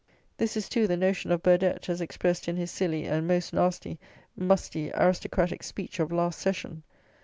This is, too, the notion of Burdett as expressed in his silly and most nasty, musty aristocratic speech of last session.